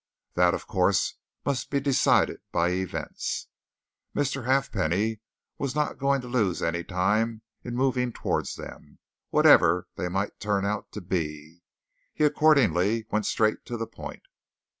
That, of course, must be decided by events: Mr. Halfpenny was not going to lose any time in moving towards them, whatever they might turn out to be. He accordingly went straight to the point.